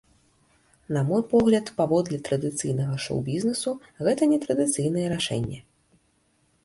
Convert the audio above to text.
На мой погляд, паводле традыцыйнага шоу-бізнесу, гэта нетрадыцыйнае рашэнне.